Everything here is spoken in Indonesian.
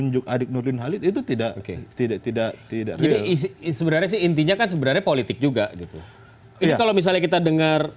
jadi kalau misalnya kita dengar